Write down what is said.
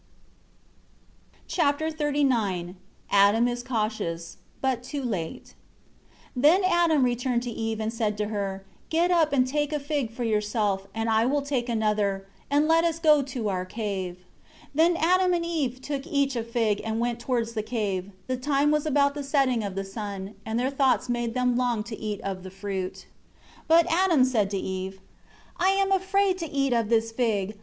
Chapter XXXIX Adam is cautious but too late. 1 Then Adam returned to Eve, and said to her, "Get up, and take a fig for yourself, and I will take another; and let us go to our cave." 2 Then Adam and Eve took each a fig and went towards the cave; the time was about the setting of the sun; and their thoughts made them long to eat of the fruit. 3 But Adam said to Eve, "I am afraid to eat of this fig.